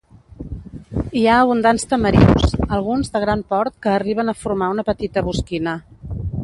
Hi ha abundants tamarius, alguns de gran port que arriben a formar una petita bosquina.